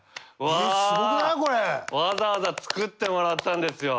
わざわざ作ってもらったんですよ。